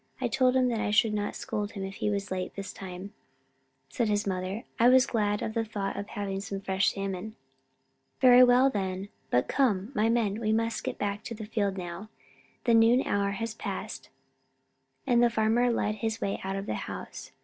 I told him I should not scold if he was late this time," said his mother. "I was glad of the thought of having some fresh salmon." "Very well, then. But come, my men, we must get back to the field now. The noon hour has passed." And the farmer led the way out of the house.